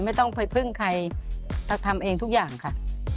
ไม่ต้องไปพึ่งใครตักทำเองทุกอย่างค่ะ